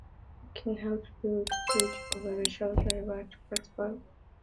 King helped build Moore's Bridge over the Chattahoochee River at Whitesburg.